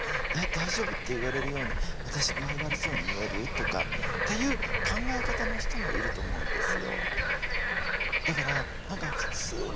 『大丈夫？』って言われるように私具合悪そうに見える？」とかっていう考え方の人もいると思うんですよ。